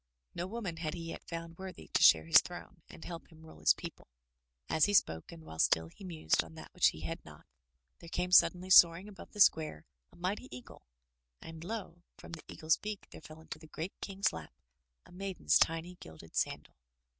No woman had he yet foimd worthy to share his throne and help him mle his people. As he spoke and while still he mused on that which he had not, there came suddenly soaring above the square a mighty eagle, and lo! from the eagle's beak there fell into the great King's lap a maiden's tiny gilded sandal.